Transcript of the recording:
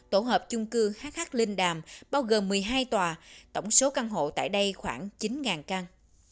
tổ hợp chung cư hh linh đàm bao gồm một mươi hai tòa tổng số căn hộ tại đây khoảng chín căn